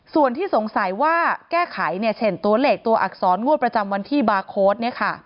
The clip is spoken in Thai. ส่วนที่สงสัยว่าแก้ไขเช่นตัวเลขตัวอักษรงวดประจำวันที่บาร์โค้ด